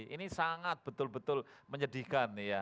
ini sangat betul betul menyedihkan ya